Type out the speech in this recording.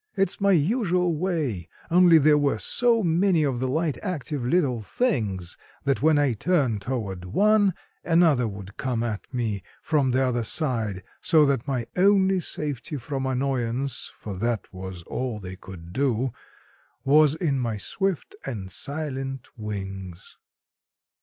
"It's my usual way, only there were so many of the light, active little things that when I turned toward one another would come at me from the other side, so that my only safety from annoyance—for that was all they could do—was in my swift and silent wings.